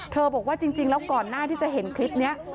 บอกว่าจริงแล้วก่อนหน้าที่จะเห็นคลิปนี้